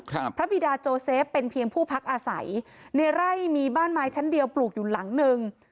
พระบิดาโจเซฟเป็นเพียงผู้พักอาศัยในไร่มีบ้านไม้ชั้นเดียวปลูกอยู่หลังหนึ่ง